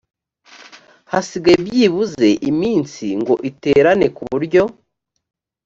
hasigaye byibuze iminsi ngo iterane ku buryo